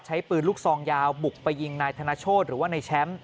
ใช้ปืนลูกซองยาวบุกไปยิงนายธนโชธหรือว่านายแชมป์